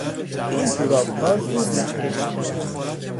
این جورابها زود نخکش میشوند.